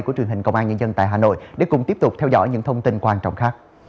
của truyền hình công an nhân dân tại hà nội để cùng tiếp tục theo dõi những thông tin quan trọng khác